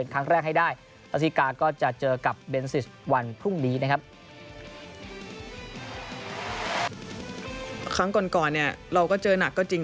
ครั้งก่อนเนี่ยเราก็เจอหนักก็จริง